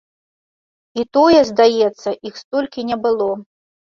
І тое, здаецца, іх столькі не было.